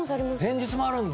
前日もあるんだ。